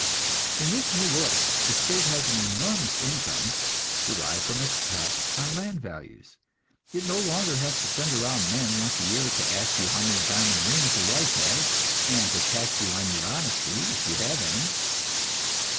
In this new world the state has an enormous income, derived from its tax on land values. It no longer has to send around men once a year to ask you how many diamond rings your wife has, and to tax you on your honesty, if you have any.